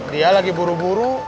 dia lagi buru buru